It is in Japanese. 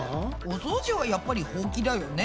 お掃除はやっぱりほうきだよね。